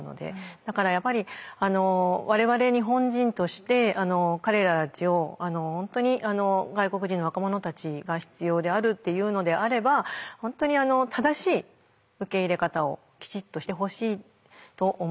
だからやっぱり我々日本人として彼らたちを本当に外国人の若者たちが必要であるっていうのであれば本当に正しい受け入れ方をきちっとしてほしいと思ってます。